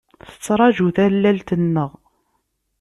Tettṛaǧu tallalt-nneɣ.